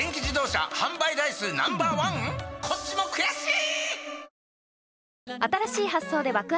こっちも悔しい！